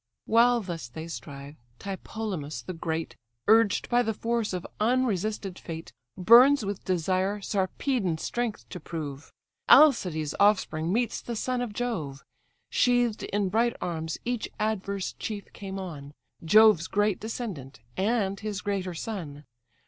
While thus they strive, Tlepolemus the great, Urged by the force of unresisted fate, Burns with desire Sarpedon's strength to prove; Alcides' offspring meets the son of Jove. Sheathed in bright arms each adverse chief came on. Jove's great descendant, and his greater son.